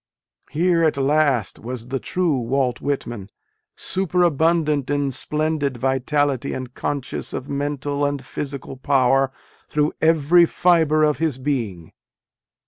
Here at last was the true Walt Whitman, superabundant in splendid vitality and conscious of mental and physical power through every fibre of his being.